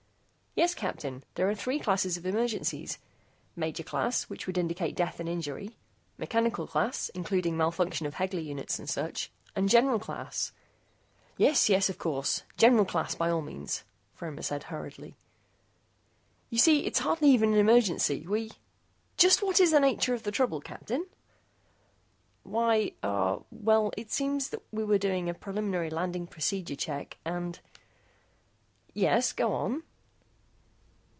"Yes, Captain. There are three classes of emergencies. Major class, which would include death and injury. Mechanical class, including malfunction of Hegler units and such. And General class " "Yes, yes, of course, General class by all means," Fromer said hurriedly. "You see, it's hardly even an emergency. We " "Just what is the nature of the trouble, Captain?" "Why, uh, well it seems that we were doing a preliminary landing procedure check, and ..." "Yes, go on."